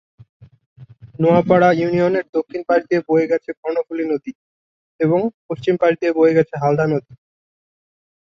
নোয়াপাড়া ইউনিয়নের দক্ষিণ পাশ দিয়ে বয়ে গেছে কর্ণফুলী নদী এবং পশ্চিম পাশ দিয়ে বয়ে গেছে হালদা নদী।